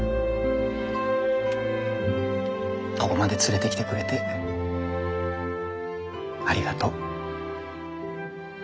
ここまで連れてきてくれてありがとう。